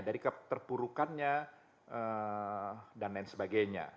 dari keterpurukannya dan lain sebagainya